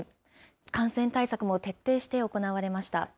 感染対策も徹底して行われました。